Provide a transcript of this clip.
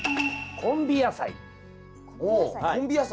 コンビ野菜？